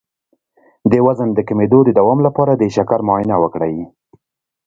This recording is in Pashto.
د وزن د کمیدو د دوام لپاره د شکر معاینه وکړئ